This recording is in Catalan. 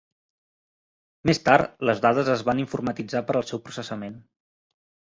Més tard, les dades es van informatitzar per al seu processament.